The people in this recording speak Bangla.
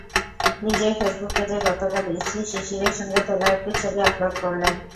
নিজের ফেসবুক পেজে গতকাল স্ত্রী শিশিরের সঙ্গে তোলা একটি ছবি আপলোড করলেন।